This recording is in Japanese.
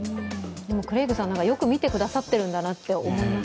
クレイグさん、よく見てくださってるんだなと思いません？